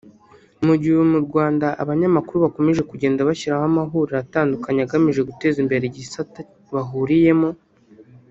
Mu gihe mu Rwanda abanyamakuru bakomeje kugenda bashyiraho amahuriro atandukanye agamije guteza imbere igisata bahuriyemo